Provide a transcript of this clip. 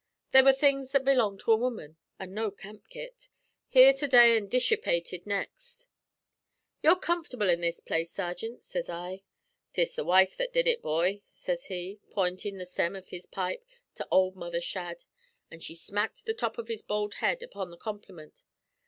They were things that belonged to a woman, an' no camp kit, here to day an' dishipated next. 'You're comfortable in this place, sergint,' sez I. ''Tis the wife that did ut, boy,' sez he, pointin' the stem av his pipe to ould Mother Shadd, an' she smacked the top av his bald head upon the compliment.